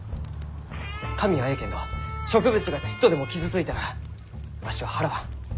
紙はえいけんど植物がちっとでも傷ついたらわしは払わん。